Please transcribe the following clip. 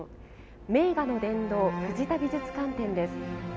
「名画の殿堂藤田美術館展」です。